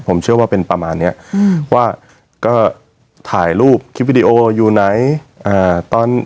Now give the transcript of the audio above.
ผมเชื่อว่าเป็นประมาณเนี้ยอืมว่าก็ถ่ายรูปคลิปวิดีโออยู่ไหนอ่าตอน